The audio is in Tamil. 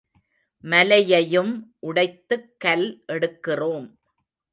மலையையும் உடைத்துக் கல் எடுக்கிறோம்.